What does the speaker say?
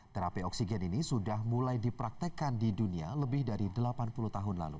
terapi oksigen ini sudah mulai dipraktekkan di dunia lebih dari delapan puluh tahun lalu